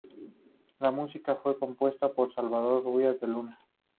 La música fue compuesta por Salvador Ruiz de Luna.